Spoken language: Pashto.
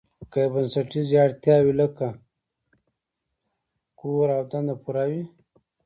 که یې بنسټیزې اړتیاوې لکه کور او دنده پوره وي.